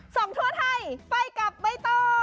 ส่องทั่วไทยไปกับใบโต